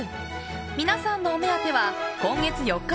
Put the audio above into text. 皆さんのお目当ては今月４日